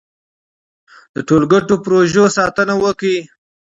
د ټولګټو پروژو ساتنه وکړئ.